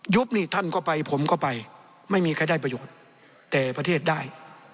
บนี่ท่านก็ไปผมก็ไปไม่มีใครได้ประโยชน์แต่ประเทศได้